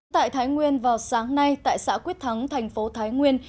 tại thái nguyên vào sáng nay tại xã quyết thắng thành phố thái nguyên